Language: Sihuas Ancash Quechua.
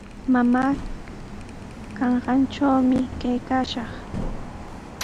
Mamaa kanqantrawmi kaykaashaq.